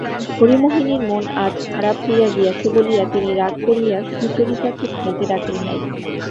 হরিমোহিনীর মন আজ খারাপ হইয়া গিয়াছে বলিয়া তিনি রাগ করিয়া সুচরিতাকে খাইতে ডাকেন নাই।